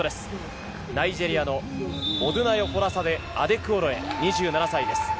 ナイジェリアのオドゥナヨ・フォラサデ・アデクオロエ、２７歳です。